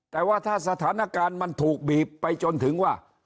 แต่ว่าถ้าสถานการณ์มันถูกบีบไปจนถึงว่า